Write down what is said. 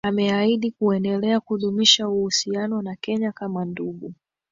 Ameahidi kuendelea kudumisha uhusiano na Kenya kama ndugu